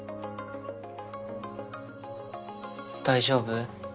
大丈夫？